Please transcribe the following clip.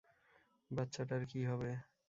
বাচ্চাটার কী হবে?